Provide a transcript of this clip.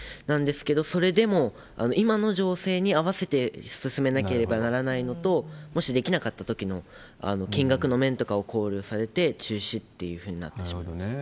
なんですけど、それでも今の情勢に合わせて進めなければならないのと、もしできなかったときの、金額の面とかを考慮されて中止っていうふうになってしまった。